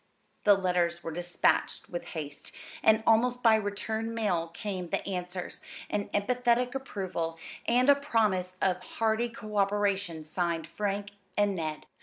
The letters were dispatched with haste, and almost by return mail came the answers; an emphatic approval, and a promise of hearty cooperation signed "Frank" and "Ned."